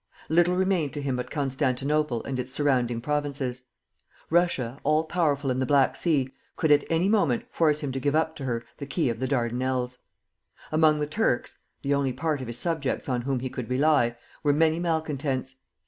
Little remained to him but Constantinople and its surrounding provinces. Russia, all powerful in the Black Sea, could at any moment force him to give up to her the key of the Dardanelles. Among the Turks (the only part of his subjects on whom he could rely) were many malcontents.